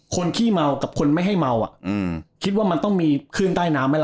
ขี้เมากับคนไม่ให้เมาอ่ะคิดว่ามันต้องมีขึ้นใต้น้ำไหมล่ะ